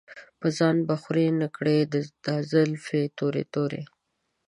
پۀ ځان به خوَرې نۀ کړې دا زلفې تورې تورې